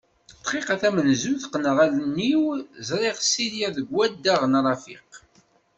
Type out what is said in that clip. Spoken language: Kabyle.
Dqiqa tamenzut qqneɣ allen-iw, ẓriɣ Silya deg wadeg n Rafiq.